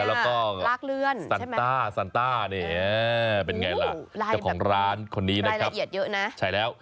แล้วก็ซัลต้านี่เป็นยังไงล่ะของร้านคนนี้นะครับใช่แล้ว